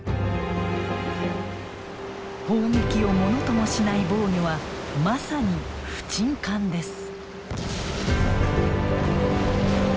砲撃をものともしない防御はまさに不沈艦です。